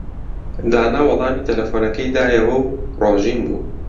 دانا وەڵامی تەلەفۆنەکەی دایەوە و ڕۆژین بوو.